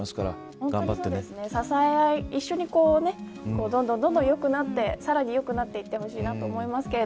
本当に支え合い一緒に、どんどんよくなってさらに良くなっていてほしいと思いますけど。